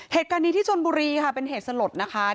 เหตุการณ์นี้ที่ชนบุรีค่ะเป็นเหตุสลดนะคะ